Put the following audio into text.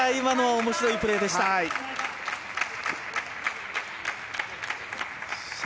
面白いプレーでした。